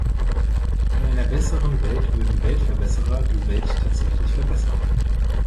In einer besseren Welt würden Weltverbesserer die Welt tatsächlich verbessern.